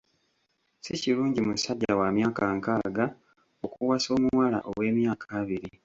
Si kirungi musajja wa myaka nkaaga okuwasa omuwala ow'emyaka abiri.